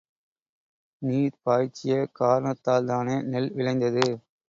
நீர் பாய்ச்சிய காரணத்தால்தானே நெல் விளைந்தது?